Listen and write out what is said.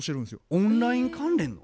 オンライン関連の？